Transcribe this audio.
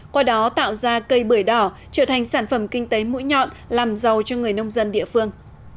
qua đó tạo ra cây bưởi đỏ trở thành sản phẩm kinh tế mũi nhọn làm giàu cho người nông dân địa phương